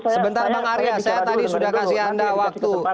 sebentar bang arya saya tadi sudah kasih anda waktu